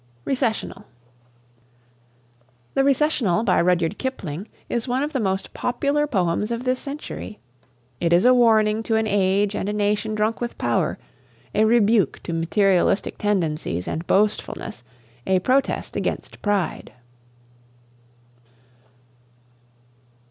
RECESSIONAL. The "Recessional" (by Rudyard Kipling, 1865 ) is one of the most popular poems of this century. It is a warning to an age and a nation drunk with power, a rebuke to materialistic tendencies and boastfulness, a protest against pride. "Reverence is the master key of knowledge."